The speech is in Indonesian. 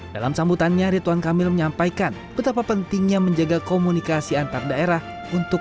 dalam sambutannya rituan kamil menyampaikan betapa pentingnya menjaga komunikasi antar daerah untuk